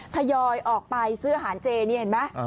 ทยอยออกไปซื้ออาหารเจนี่เห็นไหม